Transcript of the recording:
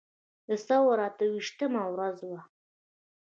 د ثور اته ویشتمه ورځ وه.